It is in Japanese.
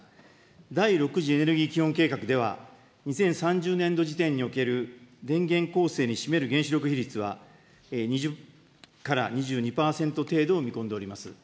第６次エネルギー基本計画では、２０３０年度時点における電源構成に占める原子力比率は、２０から２２％程度を見込んでおります。